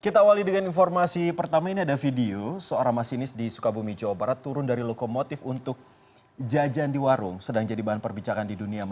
kita awali dengan informasi pertama ini ada video seorang masinis di sukabumi jawa barat turun dari lokomotif untuk jajan di warung sedang jadi bahan perbicaraan di dunia